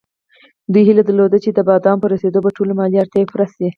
دوی هیله درلوده چې د بادامو په رسېدو به ټولې مالي اړتیاوې پوره شي.